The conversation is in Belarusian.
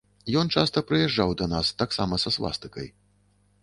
Ён часта прыязджаў да нас, таксама са свастыкай.